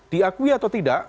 diakui atau tidak